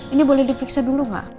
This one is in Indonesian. ini boleh dipiksa dulu nggak